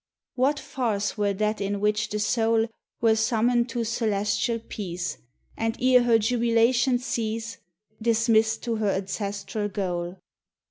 What farce were that in which the soul Were summoned to celestial peace, And, ere her jubilation cease, Dismissed to her ancestral goal?